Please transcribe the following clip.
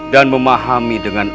dan memahami dengan